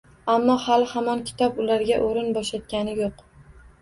Ammo hali-hamon kitob ularga o‘rin bo‘shatgani yo‘q.